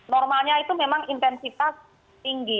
normalnya itu memang intensitas tinggi